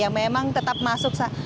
yang memang tetap masuk